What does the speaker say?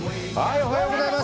おはようございます。